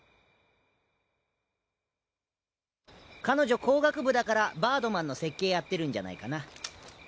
彼女工学部だからバードマンの設計やってるんじゃないかな。